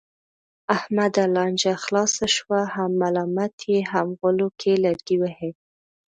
احمده! لانجه خلاصه شوه، هم ملامت یې هم غولو کې لرګی وهې.